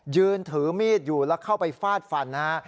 ยืนถือมีดอยู่แล้วเข้าไปฟาดฟันนะฮะ